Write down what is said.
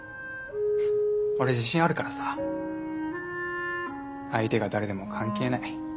俺自信あるからさ相手が誰でも関係ない。